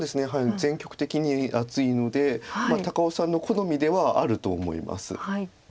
全局的に厚いので高尾さんの好みではあると思います。